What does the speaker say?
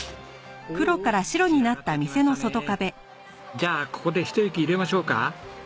じゃあここでひと息入れましょうか？